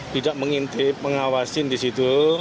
tidak mengintip mengawasin di situ